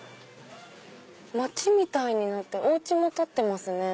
街みたいになってお家も立ってますね。